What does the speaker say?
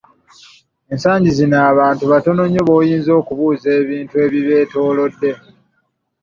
Ensangi zino abantu batono nnyo b’oyinza okubuuza ebintu ebibetoolodde!